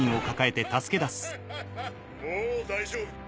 もう大丈夫。